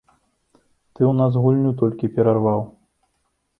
Ты ў нас гульню толькі перарваў!